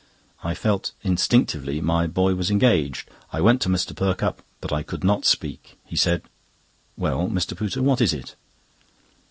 I felt instinctively my boy was engaged. I went to Mr. Perkupp, but I could not speak. He said: "Well, Mr. Pooter, what is it?"